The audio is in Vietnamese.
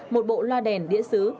một bộ loa đèn đĩa xứ